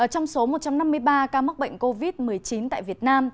trong số một trăm năm mươi ba ca mắc bệnh covid một mươi chín tại việt nam